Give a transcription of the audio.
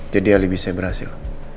jadi alibi saya berhasil